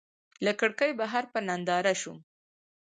له کړکۍ بهر په ننداره شوم.